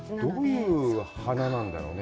どういう花なんだろうね？